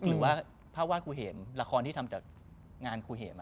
หรือว่าภาพวาสคุเหมหรือละครที่ทำจากงานคุเหมอะ